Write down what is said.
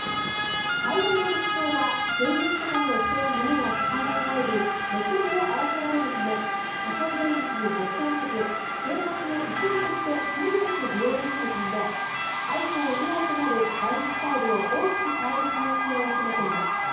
最大の特徴は現実世界の人や物が視界に入り目線も合わせられるため仮想現実に没頭せず生活の一部として無理なく利用できる点でｉＰｈｏｎｅ以来となるライフスタイルを大きく変える可能性を秘めています。